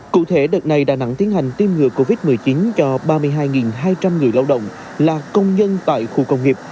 cụ thể đợt này đà nẵng tiến hành tiêm ngừa covid một mươi chín cho ba mươi hai hai trăm linh người lao động là công nhân tại khu công nghiệp